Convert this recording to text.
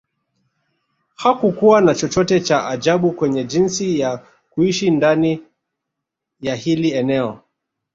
Hakukua na chochote cha ajabu kwenye jinsi ya kuishi ndani ya hili eneo